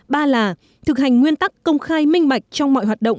ba là thực hành nguyên tắc công khai minh